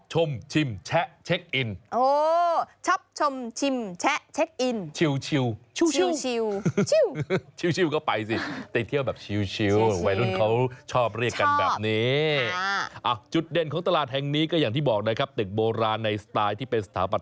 ใช่คุณดิฉันชอบไปเดินตลาดแบบนี้นะ